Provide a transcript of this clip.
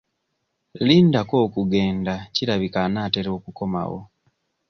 Lindako okugenda kirabika anaatera okukomawo.